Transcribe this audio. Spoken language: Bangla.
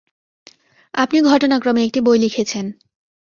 আপনি ঘটনাক্রমে একটি বই লিখেছেন।